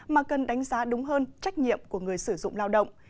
mà cần đánh giá đúng hơn trách nhiệm của người sử dụng lao động